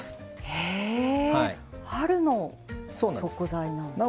へ春の食材なんですね。